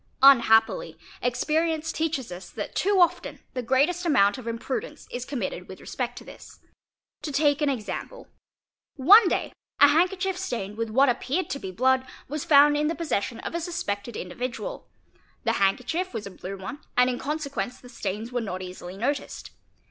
Unhappily experience teaches us that too often the greatest amount of imprudence is committed with respect to this. To take an example: one day a handkerchief stained with what appeared to be blood was found in the possession of a suspected individual; the hand kerchief was a blue one and in consequence the stains were not easily noticed.